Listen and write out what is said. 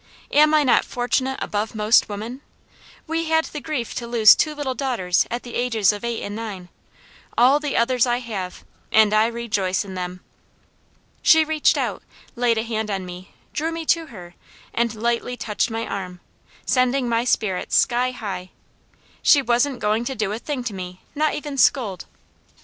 "Am I not fortunate above most women? We had the grief to lose two little daughters at the ages of eight and nine, all the others I have, and I rejoice in them." She reached out, laid a hand on me, drew me to her, and lightly touched my arm, sending my spirits sky high. She wasn't going to do a thing to me, not even scold!